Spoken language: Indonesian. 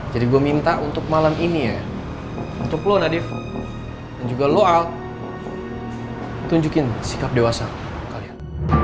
jadi gue minta untuk malam ini ya untuk lo nadief dan juga lo alt tunjukin sikap dewasa kalian